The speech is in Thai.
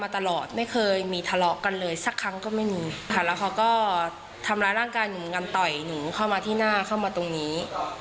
แต่ทรงให้มีหน้าเข้ามาตรงนี้